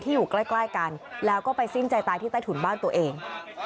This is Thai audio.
อยู่ใกล้กันแล้วก็ไปสิ้นใจตายที่ใต้ถุนบ้านตัวเอง